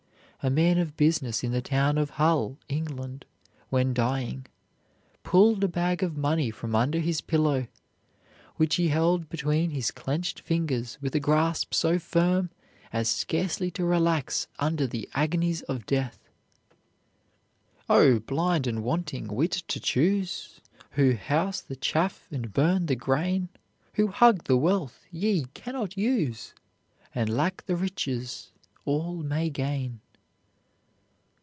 A man of business in the town of Hull, England, when dying, pulled a bag of money from under his pillow, which he held between his clenched fingers with a grasp so firm as scarcely to relax under the agonies of death. "Oh! blind and wanting wit to choose, Who house the chaff and burn the grain; Who hug the wealth ye cannot use, And lack the riches all may gain."